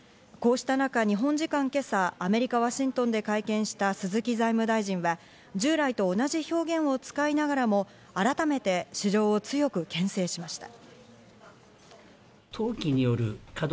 こうした中、日本時間今朝、アメリカ・ワシントンで会見した鈴木財務大臣は、従来と同じ表現を使いながらも、改めて市場を強くけん制しました。